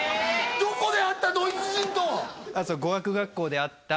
どこで会ったドイツ人と！？